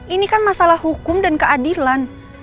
ini kan masalah hukum dan keadilan